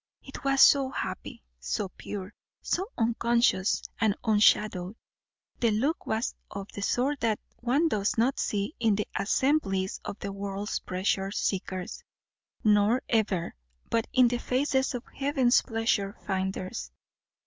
It was so happy, so pure, so unconscious and unshadowed; the look was of the sort that one does not see in the assemblies of the world's pleasure seekers; nor ever but in the faces of heaven's pleasure finders.